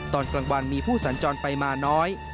ตอนกลางวันมีผู้สัญจรไปมาน้อย